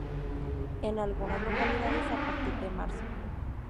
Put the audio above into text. En algunas localidades a partir de marzo.